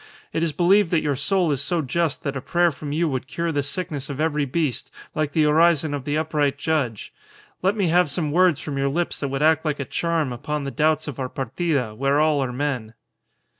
It is believed that your soul is so just that a prayer from you would cure the sickness of every beast, like the orison of the upright judge. Let me have some words from your lips that would act like a charm upon the doubts of our partida, where all are men."